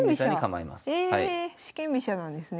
え四間飛車なんですね。